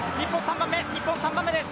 日本、３番目です！